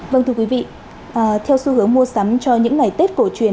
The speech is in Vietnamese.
vâng thưa quý vị theo xu hướng mua sắm cho những ngày tết cổ truyền